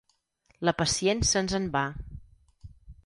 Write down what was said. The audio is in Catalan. La pacient se'ns en va.